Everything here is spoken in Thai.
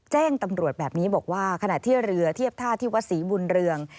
แจ้งตำรวจแบบนี้บอกว่าขณะที่เรือเทียบท่าที่วัดศรีบุญเรือง